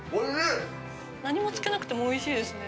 何もつけなくても、おいしいですね。